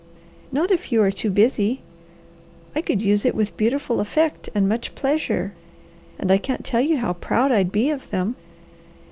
"Not if you are too busy. I could use it with beautiful effect and much pleasure, and I can't tell you how proud I'd be of them."